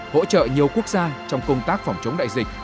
hỗ trợ nhiều quốc gia trong công tác phòng chống đại dịch